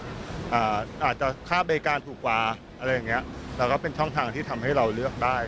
อาจจะค่าบริการถูกกว่าอะไรอย่างเงี้ยแล้วก็เป็นช่องทางที่ทำให้เราเลือกได้